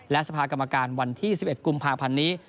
และสภากรรมการวันที่๑๑กุมภาพันธ์นี้